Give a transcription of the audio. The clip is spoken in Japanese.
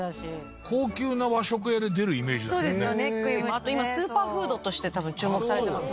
あと今スーパーフードとして多分注目されてます。